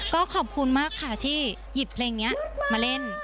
ก็ขอบคุณมากค่ะที่หยิบเพลงนี้มาเล่น